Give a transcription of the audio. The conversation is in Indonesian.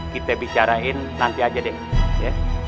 kita bicarain nanti aja deh ya